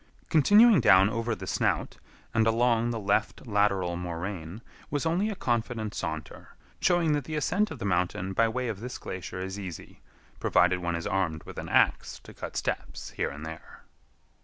Continuing down over the snout, and along the left lateral moraine, was only a confident saunter, showing that the ascent of the mountain by way of this glacier is easy, provided one is armed with an ax to cut steps here and there.